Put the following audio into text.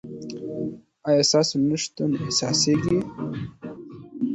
ایا ستاسو نشتون احساسیږي؟